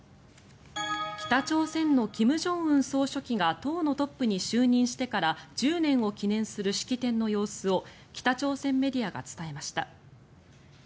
北朝鮮の金正恩総書記が党のトップに就任してから１０年を記念する式典の様子を北朝鮮メディアが伝えました。